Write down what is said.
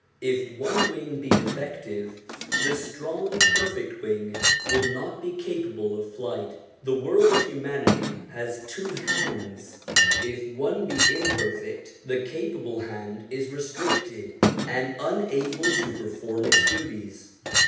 If one wing be defective the strong perfect wing will not be capable of flight. The world of humanity has two hands. If one be imperfect the capable hand is restricted and unable to perform its duties.